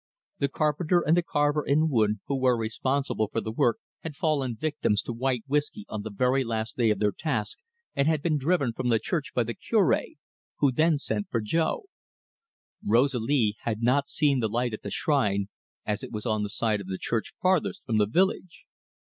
The carpenter and the carver in wood who were responsible for the work had fallen victims to white whiskey on the very last day of their task, and had been driven from the church by the Cure, who then sent for Jo. Rosalie had not seen the light at the shrine, as it was on the side of the church farthest from the village.